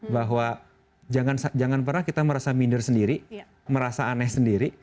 bahwa jangan pernah kita merasa minder sendiri merasa aneh sendiri